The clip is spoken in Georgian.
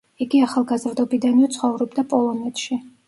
იგი ახალგაზრდობიდანვე ცხოვრობდა პოლონეთში.